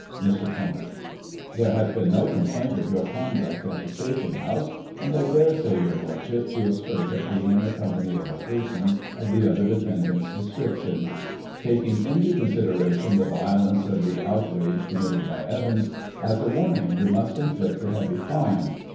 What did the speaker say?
Mr. Conant : There has been no complaint of your conduct at the station house, and I daresay your Lordship feels hurt at being in the company of a person of the other defendant's description. Taking into consideration the violence of the outrage committed by Evans, as a warning, we must inflict a heavy fine.